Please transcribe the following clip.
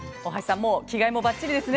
もう着替えもばっちりですね。